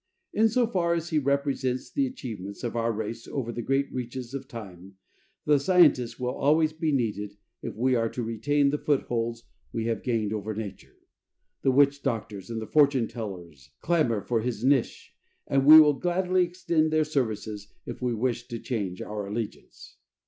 Insofar as he represents the achievements of our race over the great reaches of time, the scientist will always be needed if we are to retain the foothold we have gained over Nature. The witch doctors and the fortunetellers clamor for his niche and will gladly extend their services if we wish to change our allegiance.